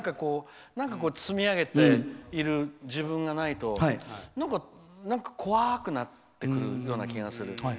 何か積み上げている自分がないと怖くなってくるような気がする。